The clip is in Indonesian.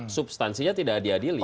substansinya tidak ada